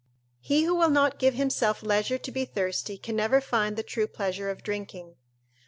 He who will not give himself leisure to be thirsty can never find the true pleasure of drinking.